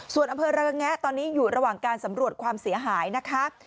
ส่วนอำเภอระแงะตอนนี้อยู่ระหว่างการสำรวจความเสียหายนะคะ